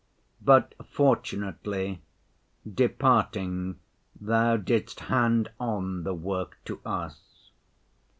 But, fortunately, departing Thou didst hand on the work to us.